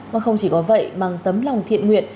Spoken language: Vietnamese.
mà không chỉ có vậy bằng tấm lòng thiện nguyện